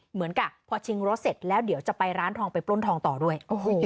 เหมือนกับพอชิงรถเสร็จแล้วเดี๋ยวจะไปร้านทองไปปล้นทองต่อด้วย